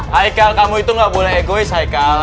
heikal kamu itu nggak boleh egois heikal